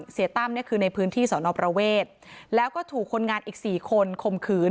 ตั้มเนี่ยคือในพื้นที่สอนอประเวทแล้วก็ถูกคนงานอีก๔คนคมขืน